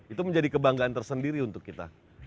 itu menjadi kebanggaan tersendiri untuk kita